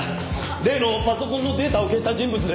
例のパソコンのデータを消した人物です。